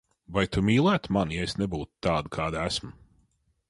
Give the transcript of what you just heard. Vai tu mīlētu mani, ja es nebūtu tāda, kāda esmu?